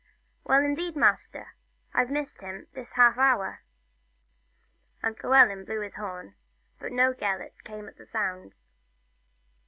" Well, indeed, master, I Ve missed him this half hour." And Llewellyn blew his horn, but no Gelert came at the sound.